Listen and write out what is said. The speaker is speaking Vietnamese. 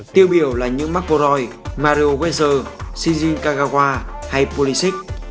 tiêu biểu là những mcvoy mario weiser shinji kagawa hay pulisic